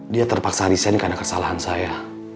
dia terpaksa riset karena kesalahan saya